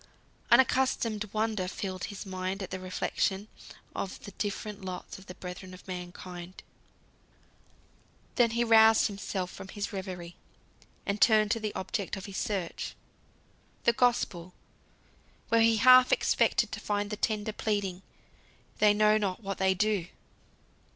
Unaccustomed wonder filled his mind at the reflection of the different lots of the brethren of mankind. Then he roused himself from his reverie, and turned to the object of his search the Gospel, where he half expected to find the tender pleading: "They know not what they do."